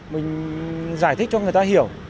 mình giải thích cho người ta hiểu